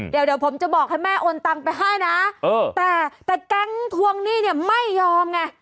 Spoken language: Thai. เดี๋ยวผมจะบอกให้แม่โอนตังไปให้นะแต่แต่แก๊งทวงหนี้เนี่ยไม่ยอมไง